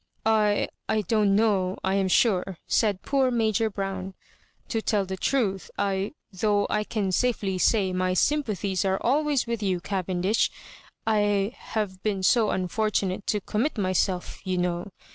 "I — I don't know, I am sure," said poor Major Brown. " To tell the truth, I— though I can safely say my sympathies are always with you. Cavendish — 1 — ^have been so unfortunate as to commit myself, you know.